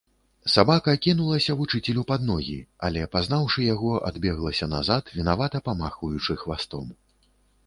Сабака кінулася вучыцелю пад ногі, але, пазнаўшы яго, адбеглася назад, вінавата памахваючы хвастом.